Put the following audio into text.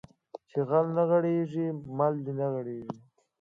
چې غل نه غېړيږي مل د وغړيږي